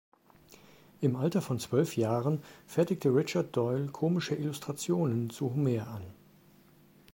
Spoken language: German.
Im Alter von zwölf Jahren fertigte Richard Doyle komische Illustrationen zu Homer an.